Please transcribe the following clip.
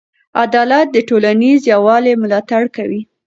عدالت د ټولنیز یووالي ملاتړ کوي.